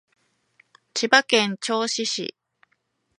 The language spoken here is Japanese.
千葉県銚子市